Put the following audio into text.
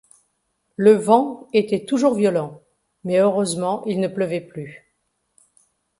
Le vent était toujours violent, mais heureusement il ne pleuvait plus